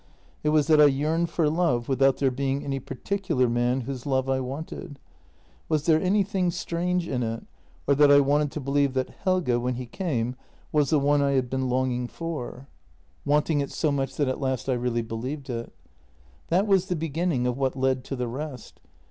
It was that I yearned for love without there being any particular man whose love I wanted. Was there anything strange in it, or that I wanted to believe that Helge, when he came, was the one I had been longing for — 266 JENNY wanting it so much that at last I really believed it? That was the beginning of what led to the rest.